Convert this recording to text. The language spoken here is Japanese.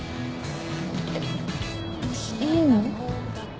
えっいいの？